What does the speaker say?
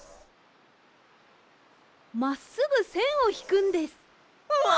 まっすぐせんをひくんです。わ！